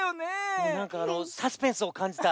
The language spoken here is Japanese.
なんかあのサスペンスをかんじた。